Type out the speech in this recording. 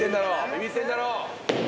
ビビってんだろ。